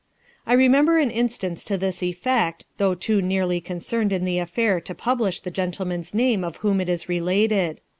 I remember an instance to this effect, though too nearly concerned in the affair to publish the gentleman's name of whom it is related.